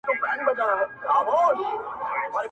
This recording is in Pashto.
• اوس مي هم ښه په ياد دي زوړ نه يمه.